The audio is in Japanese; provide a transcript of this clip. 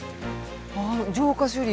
ああ浄化処理